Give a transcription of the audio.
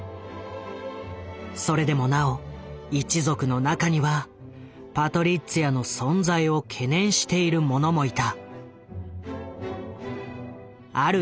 それでもなお一族の中にはパトリッツィアの存在を懸念している者もいた。